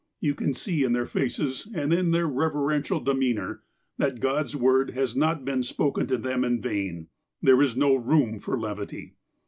You can see in their faces, and in their reverential demeanour, that God's Word has not been spoken to them in vain. There is no room for levity.